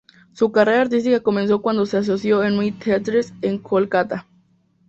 Su carrera artística comenzó cuando se asoció con New Theatres, en Kolkata.